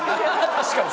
確かに！